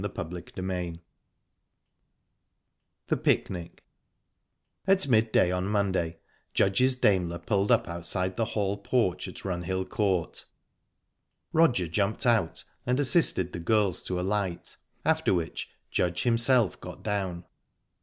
Chapter VIII THE PICNIC At mid day on Monday, Judge's Daimler pulled up outside the hall porch at Runhill Court. Roger jumped out and assisted the girls to alight, after which Judge himself got down.